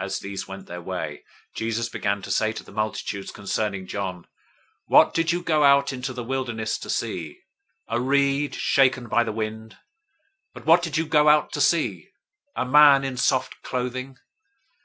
011:007 As these went their way, Jesus began to say to the multitudes concerning John, "What did you go out into the wilderness to see? A reed shaken by the wind? 011:008 But what did you go out to see? A man in soft clothing?